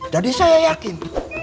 jadi saya yakin